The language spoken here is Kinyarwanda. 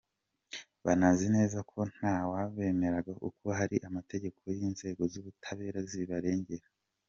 Banazi neza ko ntawaberenganya kuko hari amategeko n’inzego z’ubutabera zibarengera.